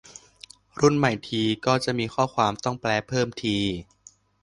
รุ่นใหม่ทีก็จะมีข้อความต้องแปลเพิ่มที